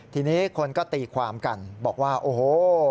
ทีนี้คนก็ตีความกันบอกว่าโอ้โห